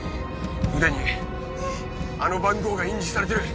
腕にあの番号が印字されてる。